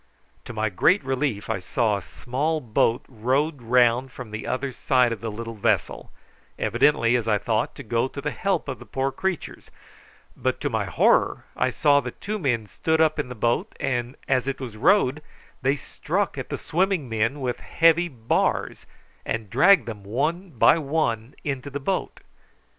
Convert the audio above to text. To my great relief I saw a small boat rowed round from the other side of the little vessel, evidently, as I thought, to go to the help of the poor creatures; but, to my horror, I saw that two men stood up in the boat, and, as it was rowed, they struck at the swimming men with heavy bars, and dragged them one by one into the boat.